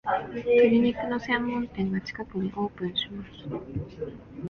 鶏肉の専門店が近くにオープンします